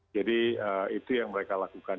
jadi itu yang mereka lakukan